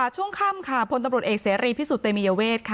ช่วงค่ำค่ะพลตำรวจเอกเสรีพิสุทธิเตมียเวทค่ะ